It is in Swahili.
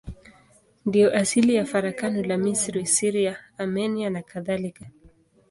Ndiyo asili ya farakano la Misri, Syria, Armenia nakadhalika.